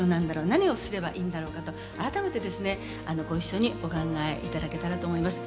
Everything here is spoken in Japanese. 「何をすればいいんだろうか」と改めてですねご一緒にお考え頂けたらと思います。